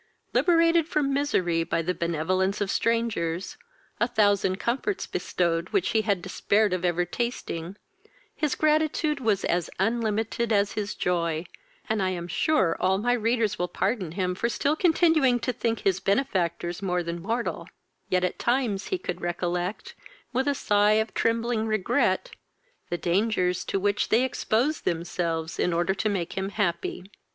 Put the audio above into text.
Liberated from misery by the benevolence of strangers, a thousand comforts bestowed which he had despaired of ever tasting, his gratitude was as unlimited as his joy, and I am sure all my readers will pardon him for still continuing to think his benefactors more than mortal; yet at times he could recollect, with a sigh of trembling regret, the dangers to which they exposed themselves in order to make him happy.